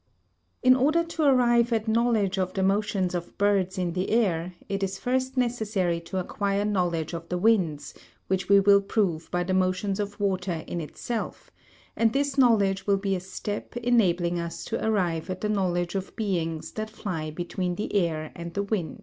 In order to arrive at knowledge of the motions of birds in the air, it is first necessary to acquire knowledge of the winds, which we will prove by the motions of water in itself, and this knowledge will be a step enabling us to arrive at the knowledge of beings that fly between the air and the wind.